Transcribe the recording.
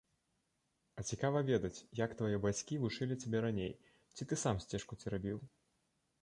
А цікава ведаць, як твае бацькі вучылі цябе раней, ці ты сам сцежку церабіў?